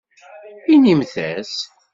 Inimt-as.